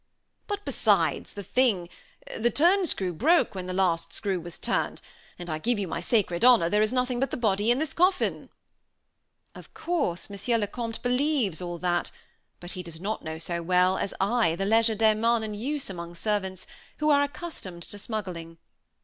"But, besides, the thing, the turnscrew, broke when the last screw was turned; and I give you my sacred honor there is nothing but the body in this coffin." "Of course, Monsieur le Comte believes all that; but he does not know so well as I the legerdemain in use among servants, who are accustomed to smuggling.